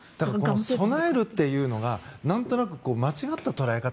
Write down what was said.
備えるというのが何となく間違った捉え方。